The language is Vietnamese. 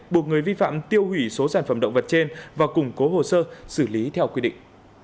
buộc người vi phạm tiêu hủy số sản phẩm động vật trên và củng cố hồ sơ xử lý theo quy định